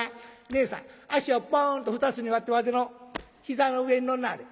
『ねえさん脚をポンと２つに割ってわての膝の上に乗んなはれ。